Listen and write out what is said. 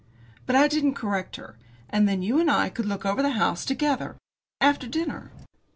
But I didn't correct her. "And then you and I could look over the house together after dinner."